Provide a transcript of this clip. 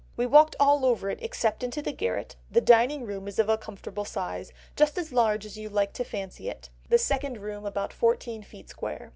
We walked all over it except into the garret; the dining room is of a comfortable size, just as large as you like to fancy it; the second room about fourteen feet square.